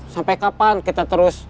sampai kapan kita terus